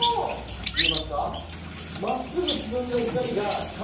見えますか？